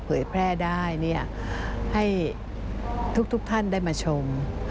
เผยแพร่ได้ให้ทุกท่านได้มาชม